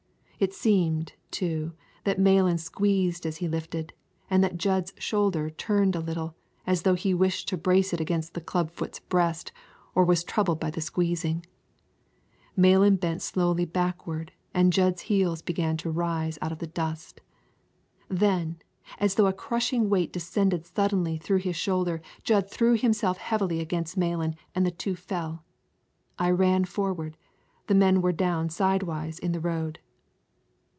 It seemed, too, that Malan squeezed as he lifted, and that Jud's shoulder turned a little, as though he wished to brace it against the clubfoot's breast, or was troubled by the squeezing. Malan bent slowly backward, and Jud's heels began to rise out of the dust. Then, as though a crushing weight descended suddenly through his shoulder, Jud threw himself heavily against Malan, and the two fell. I ran forward, the men were down sidewise in the road.